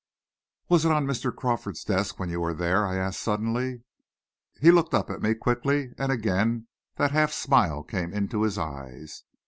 "Was it on Mr. Crawford's desk when you were there?" I asked suddenly. He looked up at me quickly, and again that half smile came into his eyes.